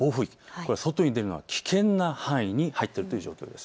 これは外に出るには危険な範囲に入っているという状況です。